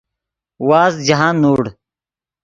وازد جاہند نوڑ